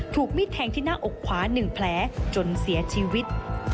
มิดแทงที่หน้าอกขวา๑แผลจนเสียชีวิต